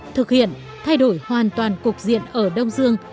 thực hiện thay đổi hoàn toàn cục diện ở đông dương